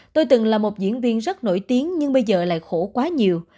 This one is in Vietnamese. tôi từng là một diễn viên rất nổi tiếng nhưng bây giờ lại khổ quá nhiều